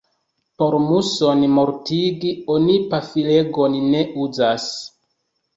Por muŝon mortigi, oni pafilegon ne uzas.